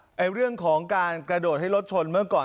เรื่องของการกระโดดให้รถชนเมื่อก่อน